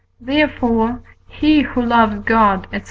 Therefore, he who loves God, &c.